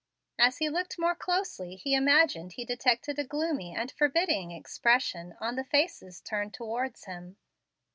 As he looked more closely, he imagined he detected a gloomy and forbidding expression on the faces turned towards him.